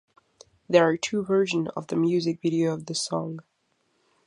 There are two versions of the music video of the song.